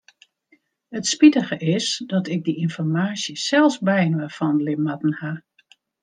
It spitige is dat ik dy ynformaasje sels byinoar fandelje moatten haw.